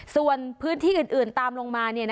ส่วนพื้นที่อื่นตามลงมา